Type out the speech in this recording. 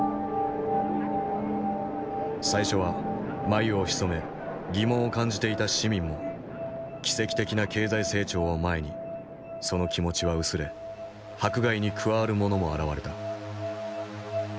最初は眉をひそめ疑問を感じていた市民も奇跡的な経済成長を前にその気持ちは薄れ迫害に加わる者も現れた。